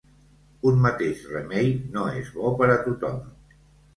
Un mateix remei no és bo per a tothom.